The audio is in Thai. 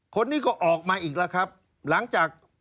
คนนี้ก็ออกมาอีกแล้วครับหลังจาก